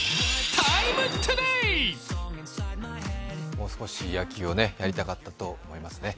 もう少し野球をやりたかったと思いますね。